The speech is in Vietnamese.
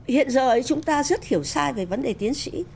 hiện giờ chúng ta rất hiểu sai về vấn đề tiến sĩ